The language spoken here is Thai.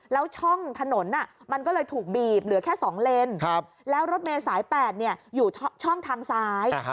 แล้วช่องถนนมันก็เลยถูกบีบเหลือแค่๒เลนแล้วรถเมย์สาย๘อยู่ช่องทางซ้าย